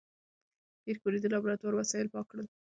پېیر کوري د لابراتوار وسایل پاک کړل.